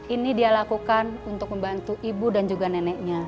ini dia lakukan untuk membantu ibu dan juga neneknya